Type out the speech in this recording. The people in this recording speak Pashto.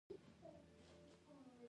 د لښکرګاه په تور ټانګ کې اوسېدم.